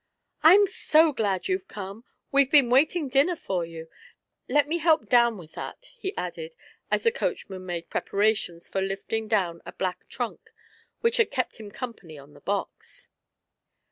" I'm so glad you've come — we've been waiting dinner for you; let me help down with that," he added, as the coachman made preparations for lifting down a black trunk which had kept him company on the box.